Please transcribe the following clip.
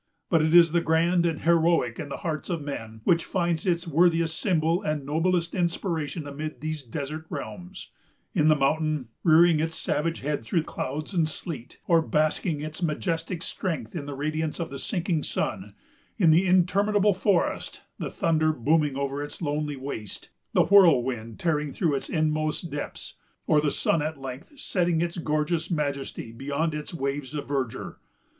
But it is the grand and heroic in the hearts of men which finds its worthiest symbol and noblest inspiration amid these desert realms,——in the mountain, rearing its savage head through clouds and sleet, or basking its majestic strength in the radiance of the sinking sun; in the interminable forest, the thunder booming over its lonely waste, the whirlwind tearing through its inmost depths, or the sun at length setting in gorgeous majesty beyond its waves of verdure.